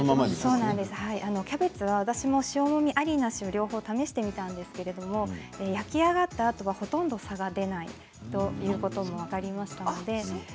私もキャベツ塩もみあり、なしで試したんですが、焼き上がったあとはほとんど差が出ないということもありました。